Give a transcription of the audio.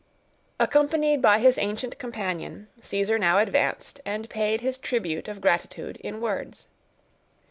Accompanied by his ancient companion, Caesar now advanced, and paid his tribute of gratitude in words.